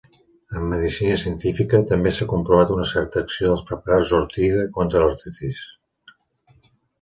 En medicina científica, també s'ha comprovat una certa acció dels preparats d'ortiga contra l'artritis.